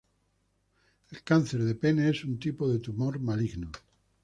El cáncer de pene es un tipo de tumor maligno.